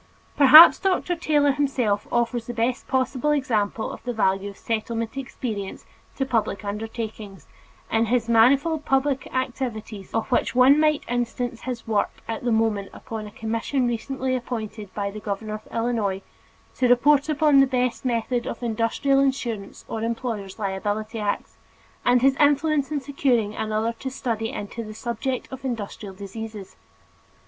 Perhaps Dr. Taylor himself offers the best possible example of the value of Settlement experience to public undertakings, in his manifold public activities of which one might instance his work at the moment upon a commission recently appointed by the governor of Illinois to report upon the best method of Industrial Insurance or Employer's Liability Acts, and his influence in securing another to study into the subject of Industrial Diseases.